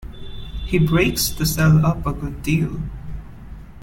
He breaks the cell up a good deal.